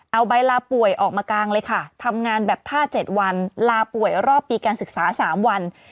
เอาใบลาป่วยออกมากางเลยค่ะทำงานแบบท่า๗วันลาป่วยรอบปีการศึกษา๓วัน